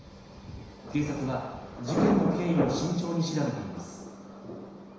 警察は事件の経緯を慎重に調べています。